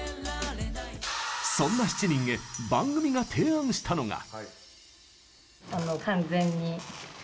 そんな７人へ番組が提案したのが。